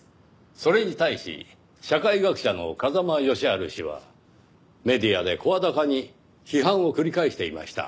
それに対し社会学者の風間義晴氏はメディアで声高に批判を繰り返していました。